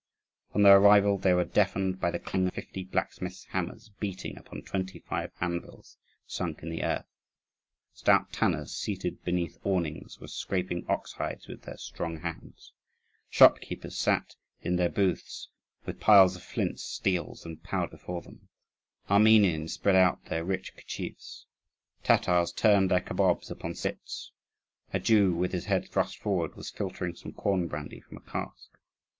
On their arrival, they were deafened by the clang of fifty blacksmiths' hammers beating upon twenty five anvils sunk in the earth. Stout tanners seated beneath awnings were scraping ox hides with their strong hands; shop keepers sat in their booths, with piles of flints, steels, and powder before them; Armenians spread out their rich handkerchiefs; Tatars turned their kabobs upon spits; a Jew, with his head thrust forward, was filtering some corn brandy from a cask.